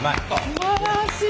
すばらしい。